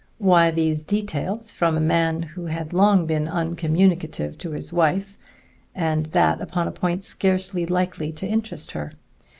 Why these details from a man who had long been uncommunicative to his wife, and that upon a point scarcely likely to interest her?